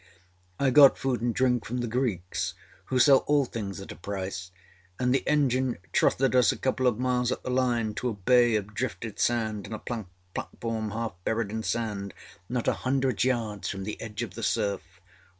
â I got food and drink from the Greeks who sell all things at a price, and the engine trotted us a couple of miles up the line to a bay of drifted sand and a plank platform half buried in sand not a hundred yards from the edge of the surf.